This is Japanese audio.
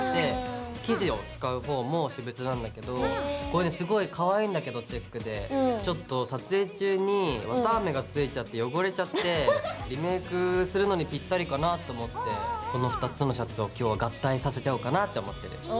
生地を使う方も私物なんだけどこれねすごいかわいいんだけどチェックでちょっと撮影中に綿あめがついちゃって汚れちゃってリメイクするのにぴったりかなと思ってこの２つのシャツを今日は合体させちゃおうかなって思ってる。